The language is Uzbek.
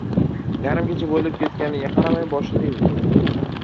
Yarim kecha bo‘lib ketga- niga qaramay boshini yuvdi.